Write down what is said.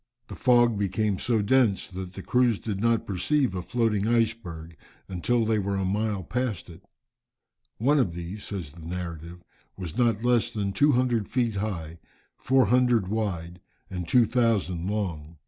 The fog soon became so dense, that the crews did not perceive a floating iceberg, until they were a mile past it. "One of these," says the narrative, "was not less than 200 feet high, 400 wide, and 2000 long.